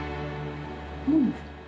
うん！